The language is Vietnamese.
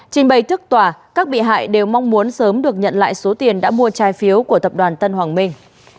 trình bày thức tòa các bị hại đều mong muốn sớm được nhận lại số tiền đã mua trái phiếu của tập đoàn tân hoàng minh